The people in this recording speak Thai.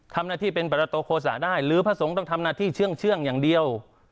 ทำหน้าที่เป็นประตูโฆษะได้หรือพระสงฆ์ต้องทำหน้าที่เชื่องอย่างเดียว